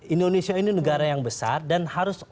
indonesia ini negara yang besar dan harus